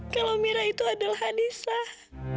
kalau mira itu adalah hadisah